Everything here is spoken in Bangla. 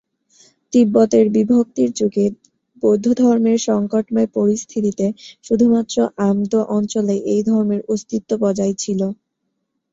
তিব্বতের বিভক্তির যুগে বৌদ্ধধর্মের সংকটময় পরিস্থিতিতে শুধুমাত্র আমদো অঞ্চলে এই ধর্মের অস্তিত্ব বজায় ছিল।